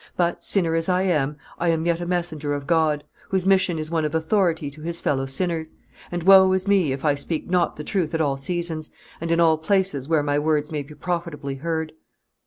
"But, sinner as I am, I am yet a messenger of God, whose mission is one of authority to his fellow sinners; and woe is me if I speak not the truth at all seasons, and in all places where my words may be profitably heard."